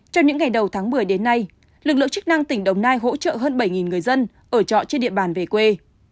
trong những ngày đầu tháng một mươi đến nay lực lượng chức năng tỉnh đồng nai hỗ trợ hơn bảy người dân ở trọ trên địa bàn về quê